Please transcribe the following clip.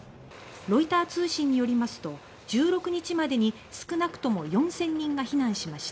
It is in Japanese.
ロイター通信によりますと１６日までに少なくとも４０００人が避難しました。